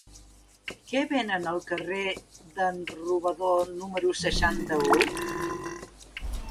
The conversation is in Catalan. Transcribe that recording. Què venen al carrer d'en Robador número seixanta-u?